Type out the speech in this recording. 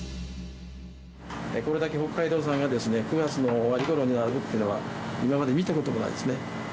これだけ北海道産が９月の終わりごろに並ぶっていうのは、今まで見たことがないですね。